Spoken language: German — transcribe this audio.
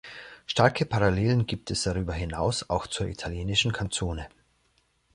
Starke Parallelen gibt es darüber hinaus auch zur italienischen Canzone.